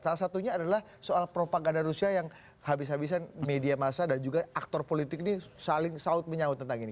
salah satunya adalah soal propaganda rusia yang habis habisan media masa dan juga aktor politik ini saling saud menyaut tentang ini